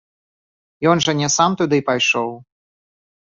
Ён жа не сам туды пайшоў.